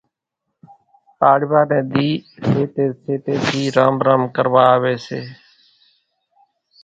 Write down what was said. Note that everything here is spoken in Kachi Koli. پاڙوا ني ۮي سيٽي سيٽي ٿي رام رام ڪروا آوي سي